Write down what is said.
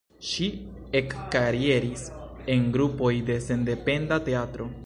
Ŝi ekkarieris en grupoj de sendependa teatro.